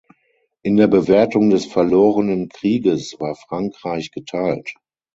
In der Bewertung des verlorenen Krieges war Frankreich geteilt.